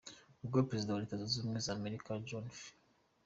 Ubwo Perezida wa Leta Zunze Zbumwe za Amerika John F.